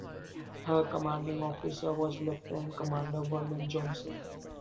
Her commanding officer was Lieutenant Commandeer Vernon Johnson.